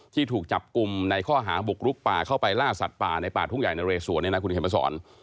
ที่ถูกจับกลุ่มในข้อหาบุกรุกป่าเข้าไปล่าสัตว์ป่าในป่าทุ่งใหญ่นะเรสวนเนี่ยนะคุณเขียนมาสอน